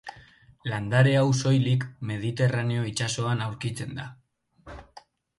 Landare hau soilik Mediterraneo itsasoan aurkitzen da.